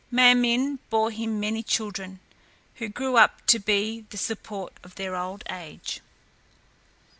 Ma min´ bore him many children, who grew up to be the support of their old age.